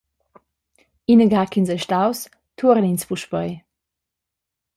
Inagada ch’ins ei staus, tuorn’ins puspei.